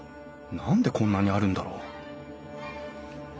何でこんなにあるんだろう？